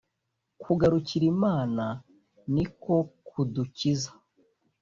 Kugarukira Imana ni ko kudukiza